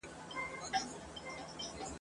که سکندر دی که رستم دی عاقبت ورته غوزاریږی ..